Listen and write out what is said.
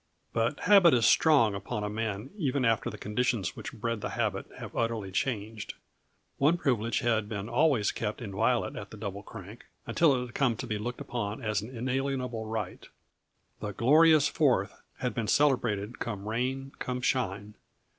But habit is strong upon a man even after the conditions which bred the habit have utterly changed. One privilege had been always kept inviolate at the Double Crank, until it had come to be looked upon as an inalienable right. The Glorious Fourth had been celebrated, come rain, come shine.